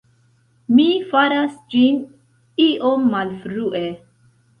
Mi faras ĝin iom malfrue.